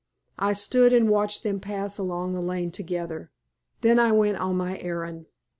I stood and watched them pass along the lane together. Then I went on my errand.